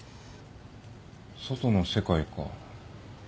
外の世界か。